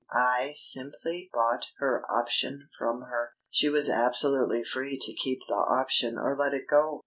I simply bought her option from her. She was absolutely free to keep the option or let it go."